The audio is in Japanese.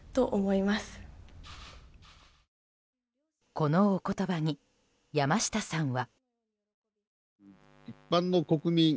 このお言葉に、山下さんは。